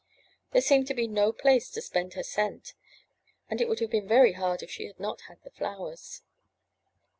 There seemed to be no place to spend her cent, and it would have been very hard if she had not had the flowers.